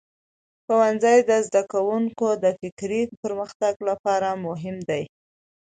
ښوونځی د زده کوونکو د فکري پرمختګ لپاره مهم دی.